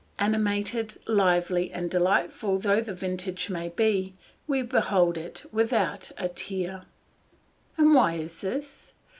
Animated, lively, and delightful though the vintage may be, we behold it without a tear. And why is this?